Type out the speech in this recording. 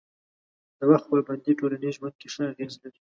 د وخت پابندي ټولنیز ژوند کې ښه اغېز لري.